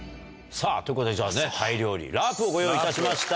さぁということでタイ料理ラープをご用意いたしました。